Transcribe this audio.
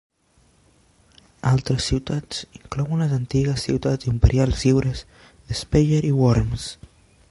Altres ciutats inclouen les antigues ciutats imperials lliures d"Speyer i Worms.